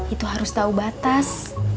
itu harus tahu batas